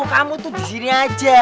kamu tuh disini aja